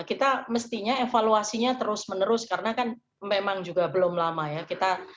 kita mestinya evaluasinya terus menerus karena kan memang juga belum lama ya